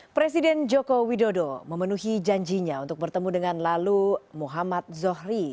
presiden joko widodo memenuhi janjinya untuk bertemu dengan lalu muhammad zohri